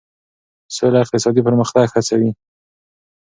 سوله اقتصادي پرمختګ هڅوي.